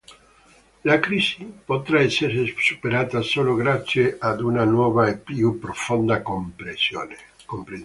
La crisi potrà essere superata solo grazie ad una nuova e più profonda comprensione.